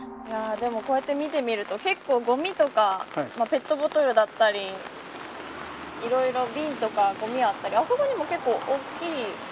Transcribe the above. こうやって見てみると結構、ごみとかペットボトルだったりいろいろ瓶とかごみがあったりあそこにも結構、大きい。